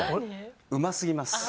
うま過ぎます。